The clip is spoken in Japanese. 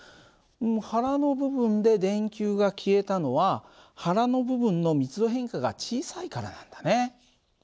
腹の部分で電球が消えたのは腹の部分の密度変化が小さいからなんだね。